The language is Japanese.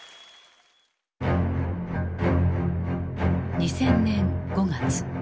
２０００年５月。